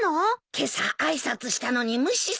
今朝挨拶したのに無視されたんだ。